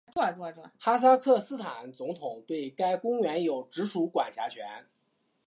哈萨克斯坦总统对该公园有直属管辖权。